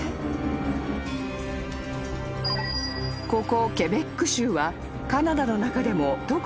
［ここ］